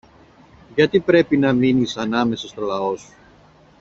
Γιατί πρέπει να μείνεις ανάμεσα στο λαό σου.